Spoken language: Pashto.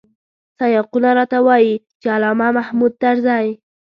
سیاقونه راته وايي چې علامه محمود طرزی.